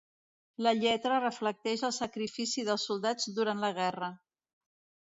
La lletra reflecteix el sacrifici dels soldats durant la guerra.